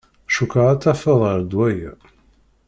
Cukkeɣ ad tafeḍ ɣer ddwa-ya.